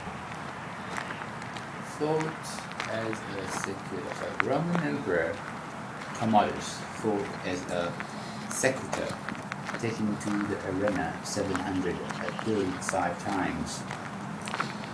Roman Emperor Commodus fought as a secutor, taking to the arena seven-hundred-thirty-five times.